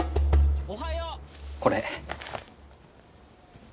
これ。